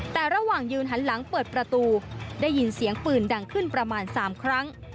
แต่ระหว่างยืนหันหลังเปิดประตูได้ยินเสียงปืนดังขึ้นประมาณ๓ครั้ง